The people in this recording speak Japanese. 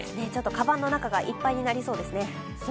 かばんの中がいっぱいになりそうですね。